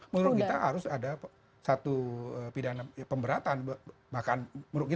menurut kita harus ada satu pemberatan bahkan menurut kita